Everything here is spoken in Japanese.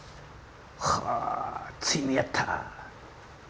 はぁついにやった！